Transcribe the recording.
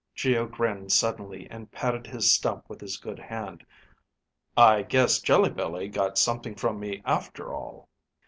Geo grinned suddenly, and patted his stump with his good hand. "I guess jelly belly got something from me after all."